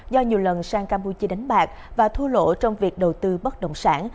do nhiều lần sang campuchia đánh bạc và thua lỗ trong việc đầu tư bất động sản